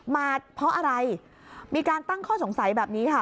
มาเพราะอะไรมีการตั้งข้อสงสัยแบบนี้ค่ะ